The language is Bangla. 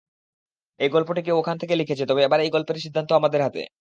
এই গল্পটি কেউ ওখান থেকে লিখেছে, তবে এবার এই গল্পের সিদ্ধান্ত আমাদের হাতে।